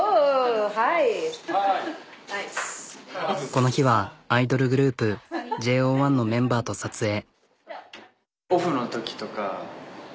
この日はアイドルグループのメンバーと撮影。